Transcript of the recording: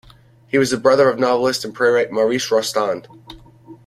He was the brother of novelist and playwright Maurice Rostand.